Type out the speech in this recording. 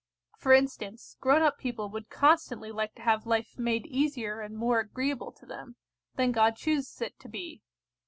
For instance, grown up people would constantly like to have life made easier and more agreeable to them, than God chooses it to be.